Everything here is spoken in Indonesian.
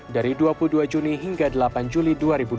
dari dua puluh dua juni hingga delapan juli dua ribu dua puluh